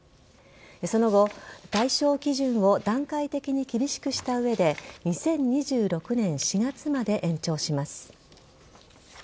その後、対象基準を段階的に厳しくした上で２０２６年４月まで延長します。